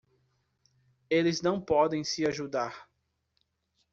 Eles não podem se ajudar.